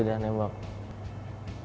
kalau menemukan musik tersebut